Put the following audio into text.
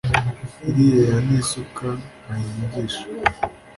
iriya ni isuka bahingisha,